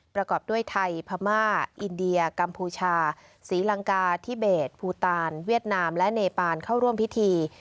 ประกอบด้วยไทยพม่าอินเดียกัมพูชาศรีลังกาธิเบสภูตานเวียดนามและเนปานเข้าร่วมพิธี